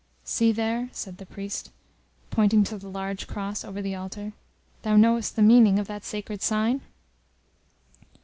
"See there," said the priest, pointing to the large Cross over the Altar, "thou knowest the meaning of that sacred sign?"